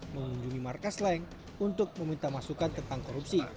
mengunjungi markas slang untuk meminta maaf